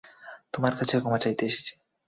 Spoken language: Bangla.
তোমার কাছে ক্ষমা চাইতে এসেছি।